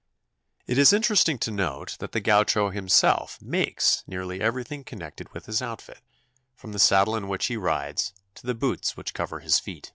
It is interesting to note that the Gaucho himself makes nearly everything connected with his outfit, from the saddle in which he rides to the boots which cover his feet.